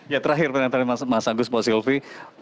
ya terakhir penentangnya mas agus pak silvi